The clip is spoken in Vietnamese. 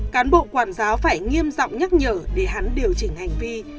cán bộ quản giáo phải nghiêm giặc nhắc nhở để hắn điều chỉnh hành vi